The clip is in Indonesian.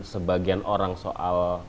sebagian orang soal